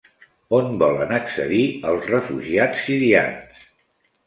On volen accedir els refugiats sirians?